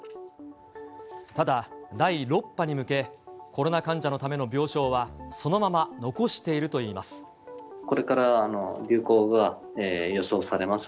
ただ第６波に向け、コロナ患者のための病床はそのまま残しているといいます。